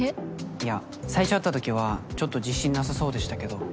いや最初会ったときはちょっと自信なさそうでしたけど。